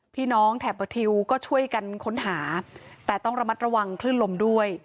แถบประทิวก็ช่วยกันค้นหาแต่ต้องระมัดระวังคลื่นลมด้วย